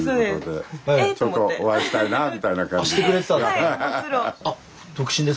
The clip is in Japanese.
ちょっとお会いしたいなみたいな感じで。